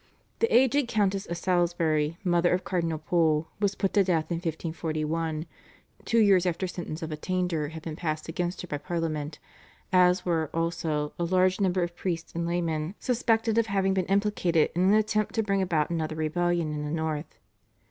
The aged Countess of Salisbury, mother of Cardinal Pole, was put to death in 1541, two years after sentence of attainder had been passed against her by Parliament, as were, also, a large number of priests and laymen suspected of having been implicated in an attempt to bring about another rebellion in the north.